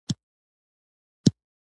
موږ پښتانه یو.